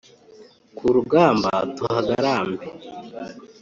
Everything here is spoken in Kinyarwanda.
Ku rugamba tuhagarambe